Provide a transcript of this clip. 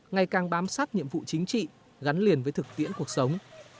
ngày càng bám sát nhiệm vụ chính trị gắn liền với thực tiễn cuộc sống